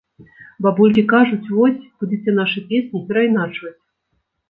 Бабулькі кажуць, вось, будзеце нашы песні перайначваць.